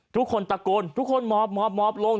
ทุกคนตะโกนทุกคนหมอบหมอบหมอบลง